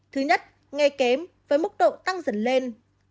thứ nhất nghe kém với mức độ tăng dần lên